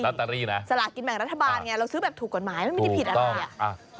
ตเตอรี่นะสลากกินแบ่งรัฐบาลไงเราซื้อแบบถูกกฎหมายมันไม่ได้ผิดอะไรอ่ะ